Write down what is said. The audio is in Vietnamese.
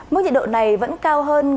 mức nhiệt độ này vẫn cao hơn